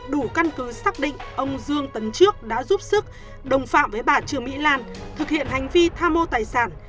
đủ căn cứ xác định ông dương tấn trước đã giúp sức đồng phạm với bà trương mỹ lan thực hiện hành vi tham mô tài sản